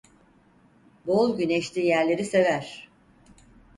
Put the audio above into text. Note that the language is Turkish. Bol güneşli yerleri sever.